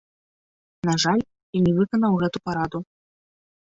На жаль, я не выканаў гэту параду.